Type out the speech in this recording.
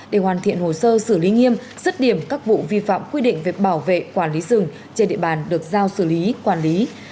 để hoàn thiện hồ sơ xử lý nghiêm dứt điểm các vụ vi phạm quy định về bảo vệ quản lý rừng trên địa bàn được giao xử lý quản lý